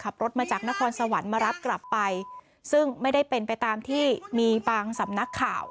ขับรถมาจากนครสวรรค์มารับกลับไปซึ่งไม่ได้เป็นไปตามที่มีบางสำนักข่าว